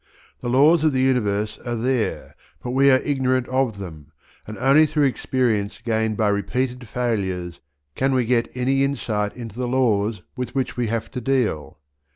The laws of the universe are there, but we are ignorant of them, and only through experience gained by repeated failures can we get any insight into the laws with which we have to deal.